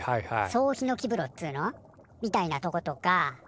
総ひのき風呂っつうの？みたいなとことか。